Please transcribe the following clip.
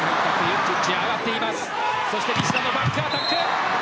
西田のバックアタック。